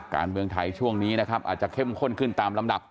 การเมืองไทยช่วงนี้นะครับอาจจะเข้มข้นขึ้นตามลำดับ